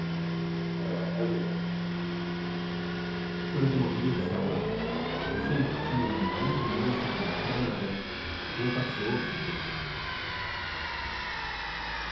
それでも、フィルーズさんは２００８年に７４歳で亡くなるまで保護活動を続けました。